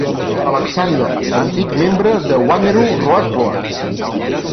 Alexander, antic membre de Wanneroo Road Board.